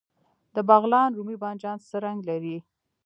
د بغلان رومي بانجان څه رنګ لري؟